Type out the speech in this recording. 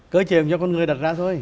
cơ chế cũng do con người đặt ra thôi